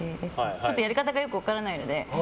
ちょっとやり方がよく分からないので。